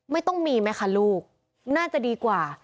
ไม่ต้องมีไหมคะลูกน่าจะดีกว่า